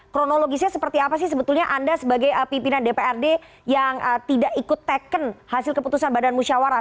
kronologisnya seperti apa sih sebetulnya anda sebagai pimpinan dprd yang tidak ikut teken hasil keputusan badan musyawarah